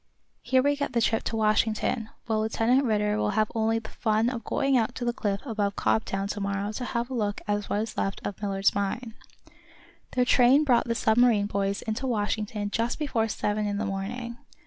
Here we get the trip to Washington, while Lieutenant Ridder will have only the fun of going out to the cliff above Cobtown to morrow to have a look at what is left of Millard's mine." Their train brought the submarine boys into Washington just before seven in the morning.